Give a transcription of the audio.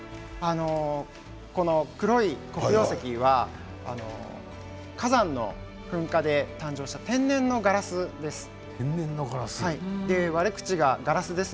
黒い黒曜石は火山の噴火で誕生した天然のガラスです。